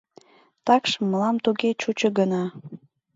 Такшым мылам туге чучо гына.